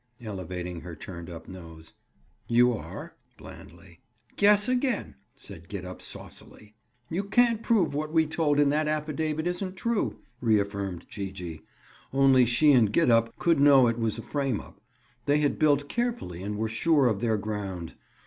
Elevating her turned up nose. "You are." Blandly. "Guess again," said Gid up saucily. "You can't prove what we told in that affidavit isn't true," reaffirmed Gee gee. Only she and Gid up could know it was a "frame up"; they had builded carefully and were sure of their ground.